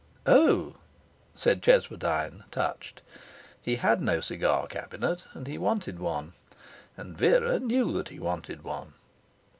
'Oh!' said Cheswardine, touched. He had no cigar cabinet, and he wanted one, and Vera knew that he wanted one.